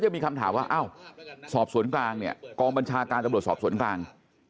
มีคำถามว่าอ้าวสอบสวนกลางเนี่ยกองบัญชาการตำรวจสอบสวนกลาง